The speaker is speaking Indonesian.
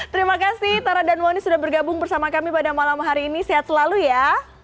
terima kasih tara dan wonny sudah bergabung bersama kami pada malam hari ini sehat selalu ya